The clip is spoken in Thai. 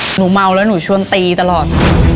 หนูเมาเลยหนูชวนตีตลอด